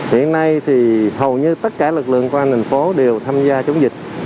hiện nay thì hầu như tất cả lực lượng công an thành phố đều tham gia chống dịch